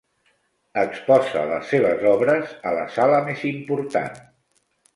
Exposa les seves obres a la sala més important.